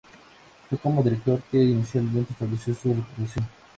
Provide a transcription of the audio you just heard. Fue como director que inicialmente estableció su reputación.